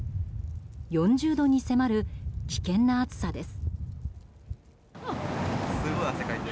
４０度に迫る危険な暑さです。